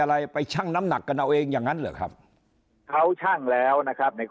อะไรไปชั่งน้ำหนักกันเอาเองอย่างนั้นเหรอครับเขาชั่งแล้วนะครับใน